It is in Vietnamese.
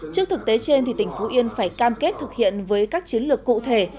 nhưng tỉnh phú yên phải cam kết thực hiện với các chiến lược cụ thể